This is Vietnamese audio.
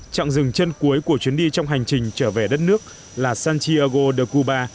trạng rừng chân cuối của chuyến đi trong hành trình trở về đất nước là santiago de cuba